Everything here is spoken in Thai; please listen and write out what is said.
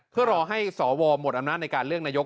เพื่อรอให้สวหมดอำนาจในการเลือกนายก